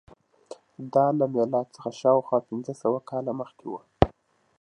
دا له میلاد څخه شاوخوا پنځه سوه کاله مخکې وه.